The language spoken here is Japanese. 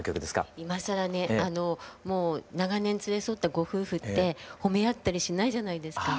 あのもう長年連れ添ったご夫婦って褒め合ったりしないじゃないですか。